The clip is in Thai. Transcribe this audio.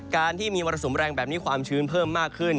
การที่มีมรสุมแรงแบบนี้ความชื้นเพิ่มมากขึ้น